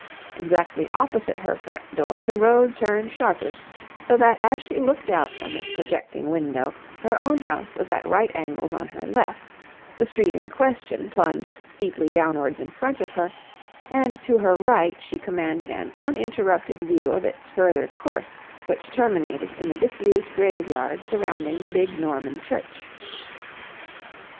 Exactly opposite her front door the road turned sharply, so that as she looked out from this projecting window, her own house was at right angles on her left, the street in question plunged steeply downwards in front of her, and to her right she commanded an uninterrupted view of its further course which terminated in the disused grave yard surrounding the big Norman church.